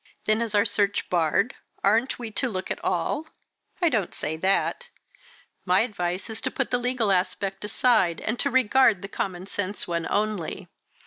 "Then is our search barred? Aren't we to look at all?" "I don't say that. My advice is to put the legal aspect aside, and to regard the common sense one only.